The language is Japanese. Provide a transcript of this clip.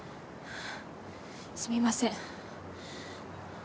すみません。